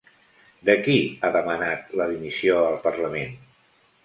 De qui ha demanat la dimissió el parlament?